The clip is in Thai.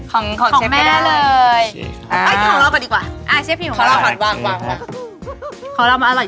ของเชฟก็ได้เลยของแม่เลย